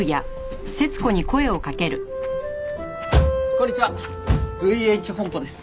こんにちはＶＨ本舗です。